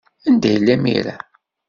Anda yella imir-a?